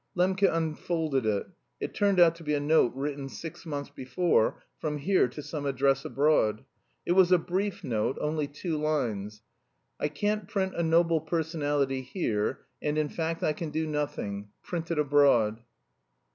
Lembke unfolded it; it turned out to be a note written six months before from here to some address abroad. It was a brief note, only two lines: "I can't print 'A Noble Personality' here, and in fact I can do nothing; print it abroad.